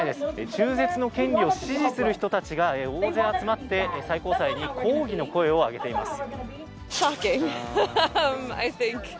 中絶の権利を支持する人たちが大勢集まって、最高裁に抗議の声を上げています。